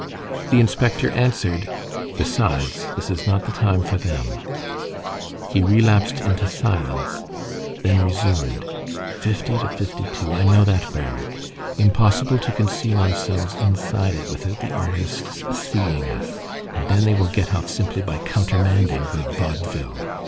The inspector answered:— "Besides, this is not the time for them." He relapsed into silence, then resumed:— "50 52. I know that barrack. Impossible to conceal ourselves inside it without the artists seeing us, and then they will get off simply by countermanding the vaudeville.